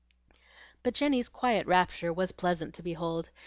But Jenny's quiet rapture was pleasant to behold.